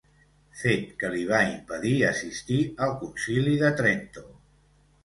Fet que li va impedir assistir al concili de Trento.